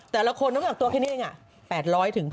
แต่ละคนต้องจับตัวแค่นี้เนี่ยไง๘๐๐ถึง๑๓๐๐